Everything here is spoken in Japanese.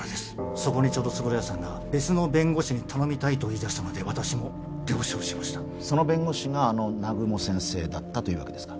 そこにちょうど円谷さんが別の弁護士に頼みたいと言いだしたので私も了承しましたその弁護士があの南雲先生だったというわけですか？